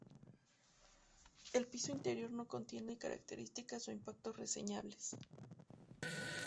El piso interior no contiene características o impactos reseñables.